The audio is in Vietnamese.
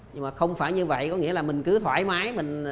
nhưng mà không phải như vậy có nghĩa là mình cứ thoải mái mình